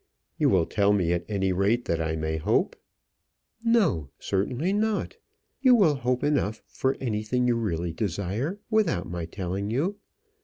"You will tell me at any rate that I may hope?" "No; certainly not. You will hope enough for anything you really desire without my telling you.